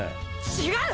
違う！